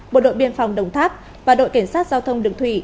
bộ đội biên phòng đồng tháp và đội kiểm soát giao thông đường thủy